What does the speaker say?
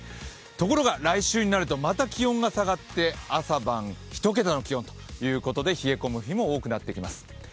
ところが、来週になるとまた気温が下がって朝晩１桁の気温ということで冷え込む日も多くなってきます。